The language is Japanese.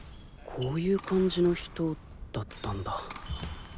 こういう感じの人だったんだ